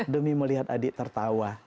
kami melihat adik tertawa